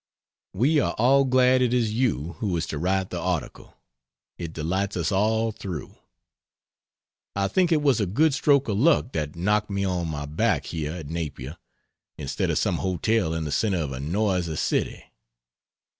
... We are all glad it is you who is to write the article, it delights us all through. I think it was a good stroke of luck that knocked me on my back here at Napier, instead of some hotel in the centre of a noisy city.